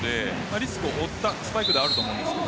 リスクを負ったスパイクであると思います。